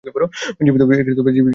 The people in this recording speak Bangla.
জীবিত থাকবেন তো!